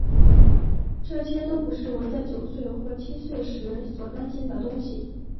这些都不是我在九岁或七岁时所担心的东西。